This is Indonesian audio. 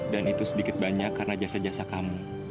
dan itu sedikit banyak karena jasa jasa kamu